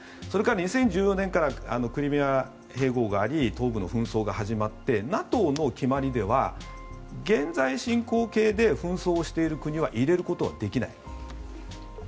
それから２０１４年クリミア併合があり東部の紛争が始まってＮＡＴＯの決まりでは現在進行形で紛争をしている国は入れることはできない。